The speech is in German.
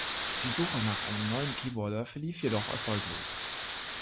Die Suche nach einem neuen Keyboarder verlief jedoch erfolglos.